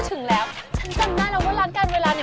ถึงแล้วนั่นแหละไป